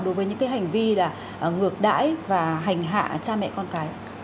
đối với những hành vi ngược đãi và hành hạ cha mẹ con cái